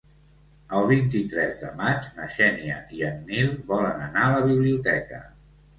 El vint-i-tres de maig na Xènia i en Nil volen anar a la biblioteca.